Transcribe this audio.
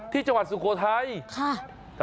ที่จังหวัดสุโขทัย